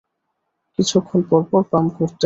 কিছুক্ষণ পরপর পাম্প করতে হয়।